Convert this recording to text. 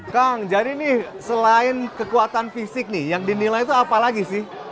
kang jadi nih selain kekuatan fisik nih yang dinilai itu apa lagi sih